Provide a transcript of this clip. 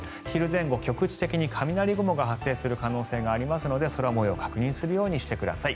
昼前後、局地的に雷雲が発生する可能性がありますので空模様を確認してください。